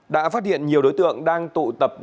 đã phát hiện nhiều đối tượng đang tụ tập